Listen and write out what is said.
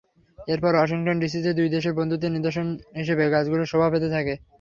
এরপর ওয়াশিংটন ডিসিতে দুই দেশের বন্ধুত্বের নিদর্শন হিসেবে গাছগুলো শোভা পেতে থাকে।